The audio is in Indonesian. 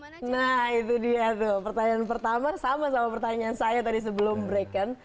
nah itu dia tuh pertanyaan pertama sama sama pertanyaan saya tadi sebelum breaken